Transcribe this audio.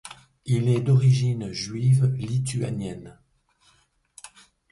Il est d'origine juive lituanienne.